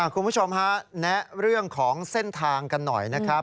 คุณผู้ชมฮะแนะเรื่องของเส้นทางกันหน่อยนะครับ